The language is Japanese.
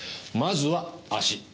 まずは足。